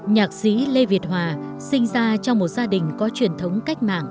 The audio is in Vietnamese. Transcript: nhạc sĩ lê việt hòa sinh ra trong một gia đình có truyền thống cách mạng